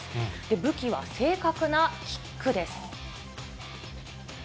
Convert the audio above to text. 武器は正確なキックです。